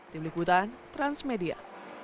tim liputan transmedia